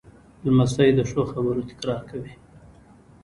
لمسی د ښو خبرو تکرار کوي.